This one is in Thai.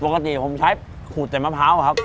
ปกติผมใช้ขูดแต่มะพร้าวครับ